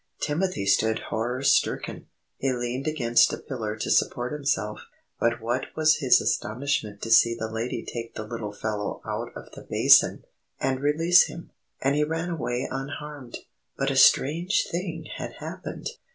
Timothy stood horror stricken. He leaned against a pillar to support himself, but what was his astonishment to see the Lady take the little fellow out of the basin, and release him; and he ran away unharmed. But a strange thing had happened.